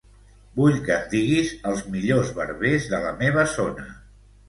Vull que em diguis els millors barbers de la meva zona.